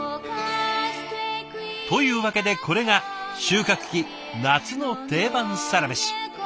というわけでこれが収穫期夏の定番サラメシ。